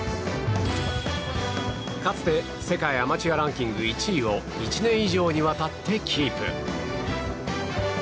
かつて世界アマチュアランキング１位を１年以上にわたってキープ。